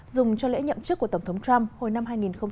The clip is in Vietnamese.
dùng cho lễ nhậm chức của tổng thống trump hồi năm hai nghìn một mươi